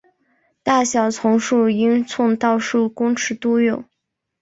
大小从数英寸到数公尺都有。